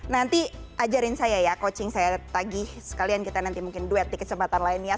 nanti ajarin saya ya coaching saya tagih sekalian kita nanti mungkin duet di kesempatan lain ya